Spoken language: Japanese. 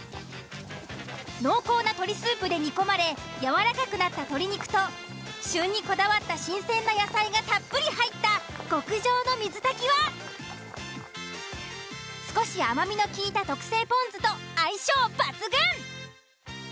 濃厚な鶏スープで煮込まれやわらかくなった鶏肉と旬にこだわった新鮮な野菜がたっぷり入った極上の水炊きは少し甘みのきいた特製ぽん酢と相性抜群。